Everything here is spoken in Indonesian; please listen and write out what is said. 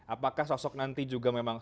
apakah sosok nanti juga memang